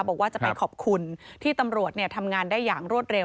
บอกว่าจะไปขอบคุณที่ตำรวจทำงานได้อย่างรวดเร็ว